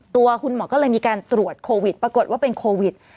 ตัวคุณหมอก็เลยมีการตรวจโควิดปรากฏว่าเป็นโควิด